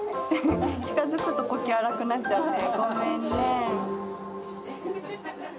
近づくと呼吸荒くなっちゃうねごめんね。